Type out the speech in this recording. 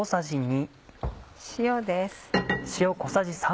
塩です。